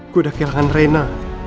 gue udah kehilangan reyna